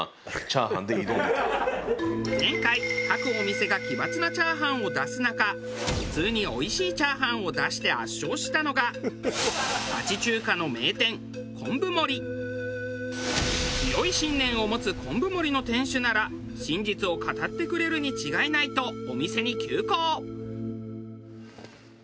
前回各お店が奇抜なチャーハンを出す中普通においしいチャーハンを出して圧勝したのが強い信念を持つ昆布森の店主なら真実を語ってくれるに違いないとお店に急行。